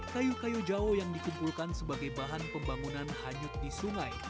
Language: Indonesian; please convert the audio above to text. kayu kayu jawa yang dikumpulkan sebagai bahan pembangunan hanyut di sungai